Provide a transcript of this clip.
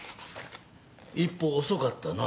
一歩遅かったな。